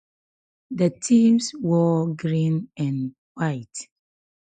The teams wore green and white.